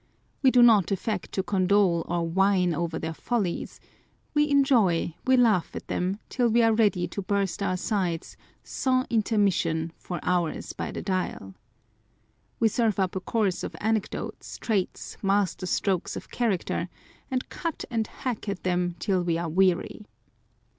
We do not affect to condole or whine over their follies ; we enjoy, we laugh at them, till we are ready to burst our sides, " sans intermission, for hours by the dial." We serve up a course of anecdotes, traits, master strokes of character, and cut and hack at them till we are weary.